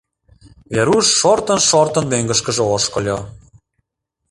Веруш, шортын-шортын, мӧҥгышкыжӧ ошкыльо.